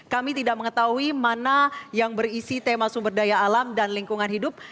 kami tidak mengetahui mana yang berisi tema sumber daya alam dan lingkungan hidup